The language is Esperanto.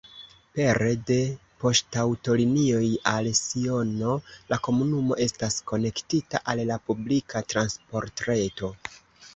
Pere de poŝtaŭtolinioj al Siono la komunumo estas konektita al la publika transportreto.